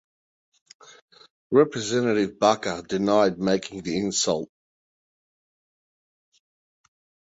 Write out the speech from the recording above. Representative Baca denied making the insult.